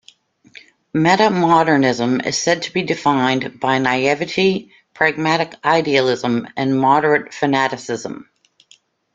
Metamodernism is said to be defined by "naivety", "pragmatic idealism" and "moderate fanaticism".